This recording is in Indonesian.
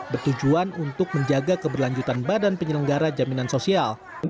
bertujuan untuk menjaga keberlanjutan badan penyelenggara jaminan sosial